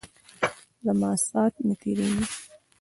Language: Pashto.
زما سات نه تیریژی.